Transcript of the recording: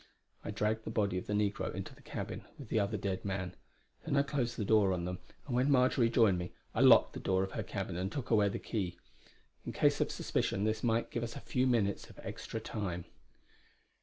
I dragged the body of the negro into the cabin with the other dead man; then I closed the door on them, and when Marjory joined me, I locked the door of her cabin and took away the key. In case of suspicion this might give us a few minutes of extra time.